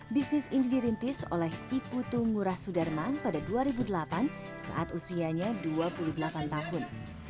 bisnis ini dirintis oleh iputu ngurah sudarman pada dua ribu delapan saat usianya dua puluh delapan tahun